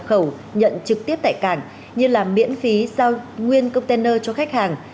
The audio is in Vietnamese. khẩu nhận trực tiếp tại cảng như là miễn phí giao nguyên container cho khách hàng